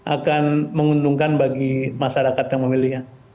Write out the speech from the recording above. akan menguntungkan bagi masyarakat yang memilih